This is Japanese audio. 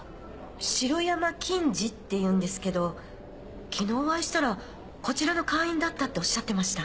城山錦司っていうんですけど昨日お会いしたらこちらの会員だったっておっしゃってました。